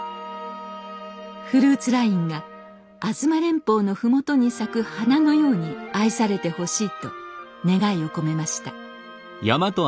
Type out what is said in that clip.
フルーツラインが吾妻連峰の麓に咲く花のように愛されてほしいと願いを込めました。